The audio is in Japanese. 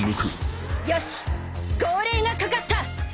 よし号令がかかった。